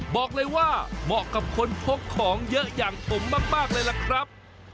บอกเลยว่าเหมาะกับคนพกของเยอะอย่างผมมากเลยล่ะครับ